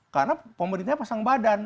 karena pemerintahnya pasang badan